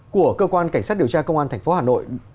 của cơ quan cảnh sát điều tra công an thành phố hà nội